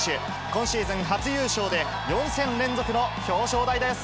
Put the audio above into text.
今シーズン初優勝で４戦連続の表彰台です。